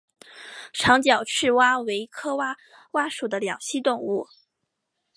长脚赤蛙为蛙科蛙属的两栖动物。